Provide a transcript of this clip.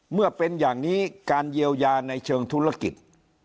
เมื่อเป็นอย่างนี้การเยียวยาในเชิงธุรกิจ